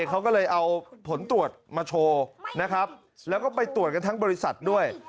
เขาก็เลยเอาผลตรวจมาโชว์นะครับแล้วก็ไปตรวจกันทั้งบริษัทด้วย